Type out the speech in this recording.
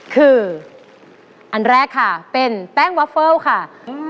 คืออันแรกค่ะเป็นแป้งวอฟเฟิลค่ะ